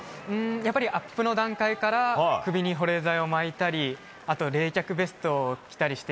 やっぱりアップの段階から首に保冷剤を巻いたりあと冷却ベストを着たりして。